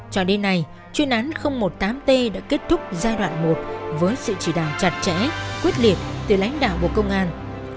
cho đến nay chuyên án một mươi tám t đã kết thúc giai đoạn một với sự chỉ đạo chặt chẽ quyết liệt từ lãnh đạo bộ công an